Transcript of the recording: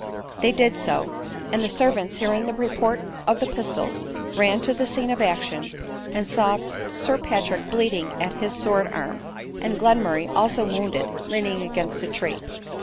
They did so ; and the servants, hearing the report of the pistols, ran to the scene of action, and saw Sir Patrick ADELINE MOWBRAY. 41 bleeding in his sword arm, and Glenmurray, also wound ed, leaning against a tree.